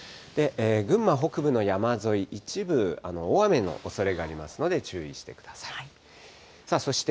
群馬北部の山沿い、一部、大雨のおそれがありますので、注意してください。